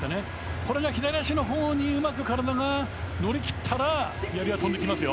これが左足のほうにうまく体が乗り切ったらやりが飛んでいきますよ。